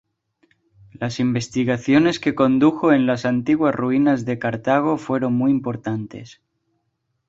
Las investigaciones que condujo en las antiguas ruinas de Cartago fueron muy importantes.